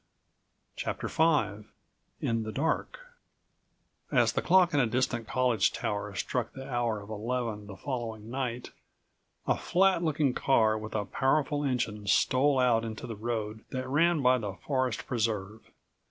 55 CHAPTER VIN THE DARK As the clock in a distant college tower struck the hour of eleven the following night, a flat looking car with a powerful engine stole out into the road that ran by the Forest Preserve.